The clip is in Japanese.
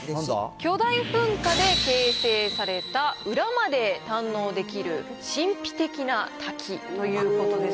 巨大噴火で形成された、裏まで堪能できる神秘的な滝ということです。